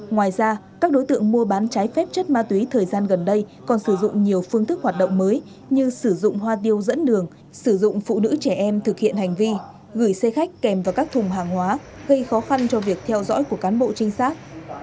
ngoài ra các đối tượng mua bán trái phép chất ma túy thời gian gần đây còn sử dụng nhiều phương thức hoạt động mới như sử dụng hoa tiêu dẫn đường sử dụng phụ nữ trẻ em thực hiện hành vi gửi xe khách kèm vào các thùng hàng hóa gây khó khăn cho việc theo dõi của cán bộ trinh sát